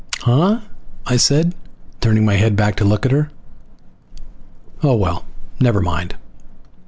"Huh?" I said, turning my head back to look at her. "Oh. Well, never mind."